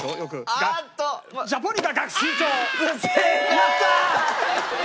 やったー！